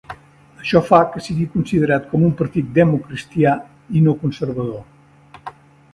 Això fa que sigui considerat com un partit democratacristià i no conservador.